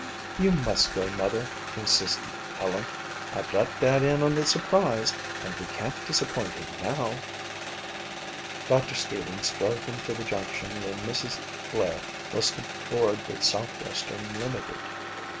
"You must go, Mother," insisted Helen. "I've let Dad in on the surprise and we can't disappoint him now." Doctor Stevens drove them to the junction where Mrs. Blair was to board the Southwestern limited.